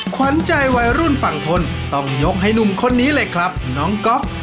ขวัญใจวัยรุ่นฝั่งทนต้องยกให้หนุ่มคนนี้เลยครับน้องก๊อฟ